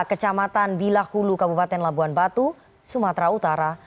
kecamatan bilah hulu kabupaten labuan batu sumatera utara